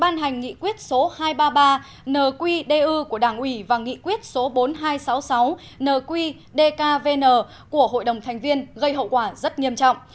nqdu của đảng ủy và nghị quyết số bốn nghìn hai trăm sáu mươi sáu nqdkvn của hội đồng thành viên gây hiệu quả rất nghiêm trọng